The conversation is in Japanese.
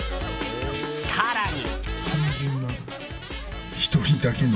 更に。